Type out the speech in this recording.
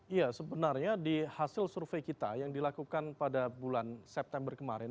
iya sebenarnya di hasil survei kita yang dilakukan pada bulan september kemarin